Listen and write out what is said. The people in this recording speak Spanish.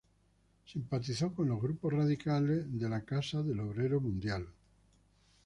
Simpatizó con los grupos radicales de la Casa del Obrero Mundial.